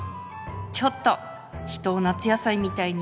ちょっと人を夏野菜みたいに。